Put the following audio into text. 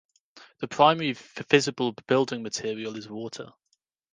The primary visible building material is water.